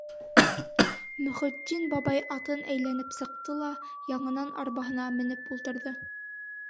Мөхөтдин бабай атын әйләнеп сыҡты ла яңынан арбаһына менеп ултырҙы.